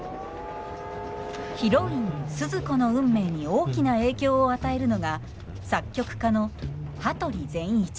ヒロインスズ子の運命に大きな影響を与えるのが作曲家の羽鳥善一。